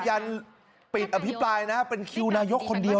ยันปิดอภิปรายนะเป็นคิวนายกคนเดียว